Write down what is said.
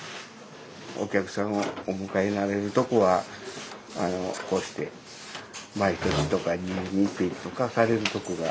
お客さんをお迎えになられるとこはこうして毎年とか２年にいっぺんとかされるとこが。